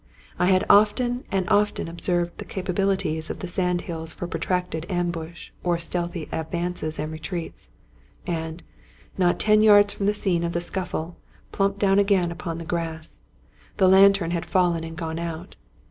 I had often and often observed the ca pabilities of the sand hills for protracted ambush or stealthy advances and retreats ; and, not ten yards from the scene of the scuffle, plumped down again upon the grass. The lantern had fallen and gone out.